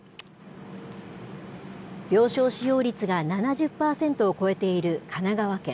病床使用率が７０％を超えている神奈川県。